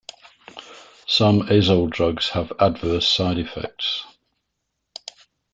Some azole drugs have adverse side-effects.